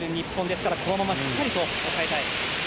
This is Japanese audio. ですからこのまましっかりと抑えたい。